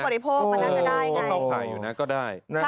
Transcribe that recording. อุปโปรปภพบริโภคมันน่าจะได้ไง